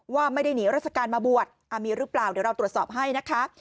ว่าไม่ได้หนีราชการมาบวชมีหรือเปล่าเดี๋ยวเราตรวจสอบให้นะคะ